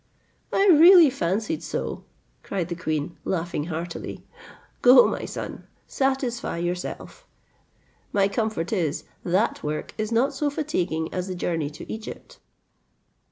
"I really fancied so," cried the queen, laughing heartily: "go, my son, satisfy yourself; my comfort is, that work is not so fatiguing as the journey to Egypt."